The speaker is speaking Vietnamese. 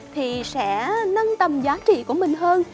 thì sẽ nâng tầm giá trị của mình hơn